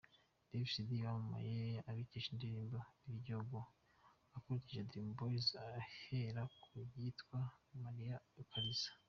Davis D wamamaye abikesha indirimbo ’Biryogo’, akurikiye Dream Boyz ahera ku yitwa ’Mariya Kaliza’.